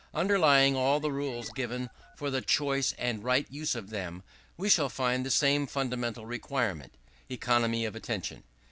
Underlying all the rules given for the choice and right use of them, we shall find the same fundamental requirement economy of attention.